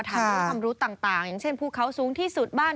รู้ความรู้ต่างอย่างเช่นภูเขาสูงที่สุดบ้าน